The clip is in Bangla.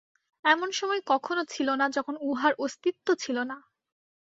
এমন সময় কখনও ছিল না, যখন উহার অস্তিত্ব ছিল না।